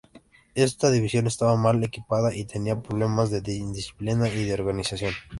Esta división estaba mal equipada y tenía problemas de indisciplina y de organización.